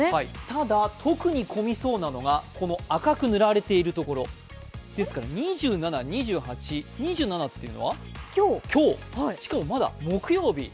ただ特に混みそうなのが、この赤く塗られているところですから２７、２８。２７というのは今日、しかもまだ木曜日。